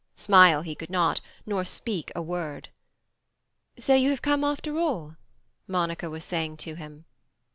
Smile he could not, nor speak a word. "So you have come after all?" Monica was saying to him.